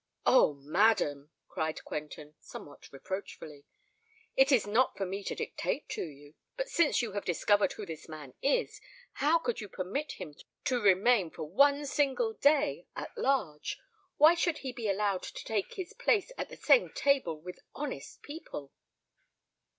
"Oh! madam," cried Quentin, somewhat reproachfully; "it is not for me to dictate to you—but since you have discovered who this man is, how could you permit him to remain for one single day at large?—why should he be allowed to take his place at the same table with honest people?"